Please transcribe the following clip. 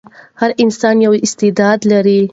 هر انسان یو استعداد لري.